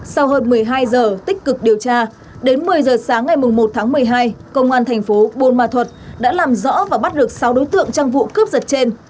sau hơn một mươi hai giờ tích cực điều tra đến một mươi giờ sáng ngày một tháng một mươi hai công an thành phố buôn ma thuật đã làm rõ và bắt được sáu đối tượng trong vụ cướp giật trên